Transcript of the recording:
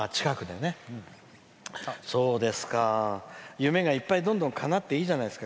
そうですか、夢がいっぱいどんどんかなっていいじゃないですか。